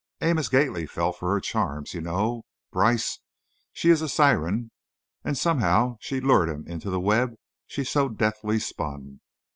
Amos Gately fell for her charms, you know, Brice, she is a siren, and somehow she lured him into the web she so deftly spun.